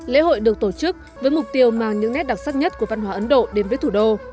lễ hội được tổ chức với mục tiêu mang những nét đặc sắc nhất của văn hóa ấn độ đến với thủ đô